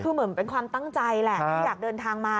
คือเหมือนเป็นความตั้งใจแหละที่อยากเดินทางมา